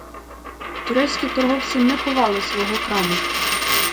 Турецькі торговці не ховали свого краму.